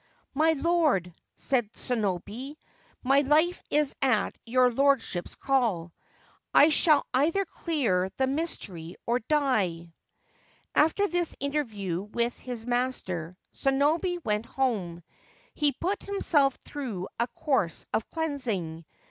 c My lord,' said Sonobe, ' my life is at your lordship's call. I shall either clear the mystery or die.' After this interview with his master Sonobe went home. He put himself through a course of cleansing.